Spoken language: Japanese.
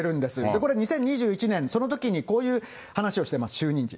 これ、２０２１年、そのときにこういう話をしてます、就任時。